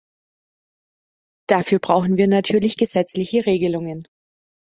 Dafür brauchen wir natürlich gesetzliche Regelungen.